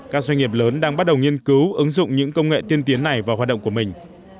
các doanh nghiệp lớn đang bắt đầu nghiên cứu ứng dụng những công nghệ tiên tiến này vào hoạt động của mình